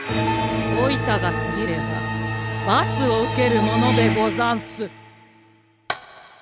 おいたが過ぎればばつを受けるものでござんす。